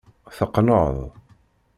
Teqqneḍ.